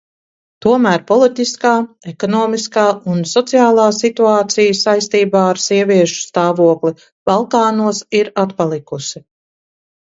Tomēr politiskā, ekonomiskā un sociālā situācija saistībā ar sieviešu stāvokli Balkānos ir atpalikusi.